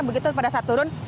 begitu pada saat turun